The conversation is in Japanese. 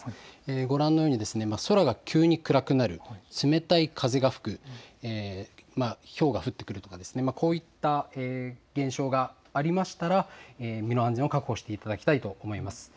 ご覧のように、空が急に暗くなる、冷たい風が吹く、ひょうが降ってくるとかですね、こういった現象がありましたら、身の安全を確保していただきたいと思います。